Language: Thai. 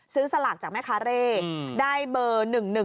ซื้อสลากจากแม่คาเรได้เบอร์๑๑๑๐๑๘